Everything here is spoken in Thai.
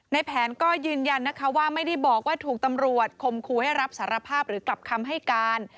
ในแผนก็ยืนยันนะคะว่าไม่ได้บอกว่าถูกตำรวจคมครูให้รับสารภาพหรือกลับคำให้การ